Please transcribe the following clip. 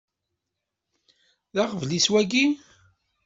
D aɣbel-is wagi?